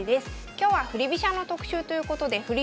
今日は振り飛車の特集ということで振り